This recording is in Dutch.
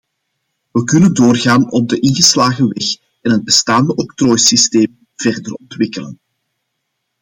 We kunnen doorgaan op de ingeslagen weg en het bestaande octrooisysteem verder ontwikkelen.